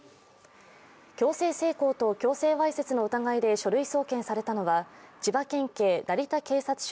強制性交と強制わいせつの疑いで書類送検されたのは千葉県警成田警察署